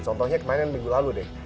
contohnya kemarin minggu lalu deh